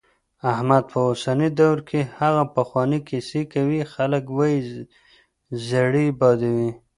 احمد په اوسني دور کې هغه پخوانۍ کیسې کوي، خلک وايي زړې بادوي.